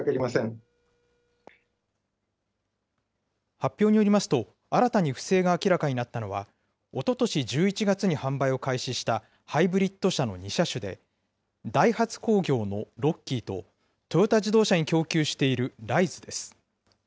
発表によりますと、新たに不正が明らかになったのは、おととし１１月に販売を開始したハイブリッド車の２車種で、ダイハツ工業のロッキーと、トヨタ自動車に供給しているライズです。